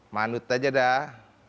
manut aja dah